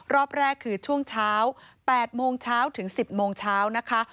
รอบแรกคือช่วงเช้า๘โมงเช้าถึง๑๐โมงเช้านะคะ